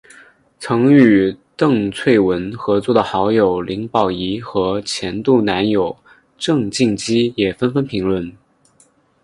曾与邓萃雯合作的好友林保怡和前度男友郑敬基也纷纷评论。